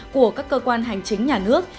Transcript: của các cơ quan hành chính nhà nước